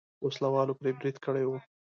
وسله والو پرې برید کړی و.